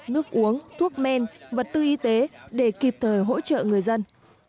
nước uống thuốc men vật tư y tế để kịp thời hỗ trợ người dân